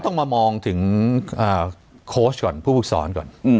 ก็ต้องมามองถึงโค้ชก่อนผู้ฟุกศรก่อน